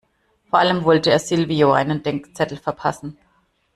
Vor allem wollte er Silvio einen Denkzettel verpassen.